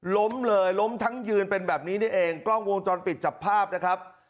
ล้มเลยล้มทั้งยืนเป็นแบบนี้นี่เองกล้องวงจรปิดจับภาพนะครับ